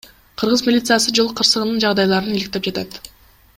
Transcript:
Кыргыз милициясы жол кырсыгынын жагдайларын иликтеп жатат.